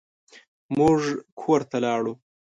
موږ کور ته لاړو.